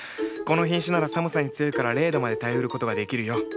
この品種なら寒さに強いから０度まで耐えうる事ができるよ。